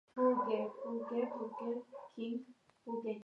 ხანდახან სახლის გარემომცველ მიდამოში არის ეზო.